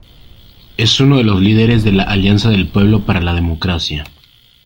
Es uno de los líderes de la Alianza del Pueblo para la Democracia.